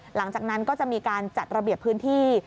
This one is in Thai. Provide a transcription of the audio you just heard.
หลังจากนั้นก็จะมีการจัดระเบียบพื้นที่